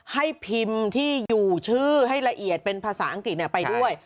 ให้พิมพ์ที่อยู่ชื่อให้ละเอียดเป็นภาษาอังกฤษไปด้วย